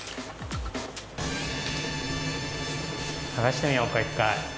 剥がしてみようか一回。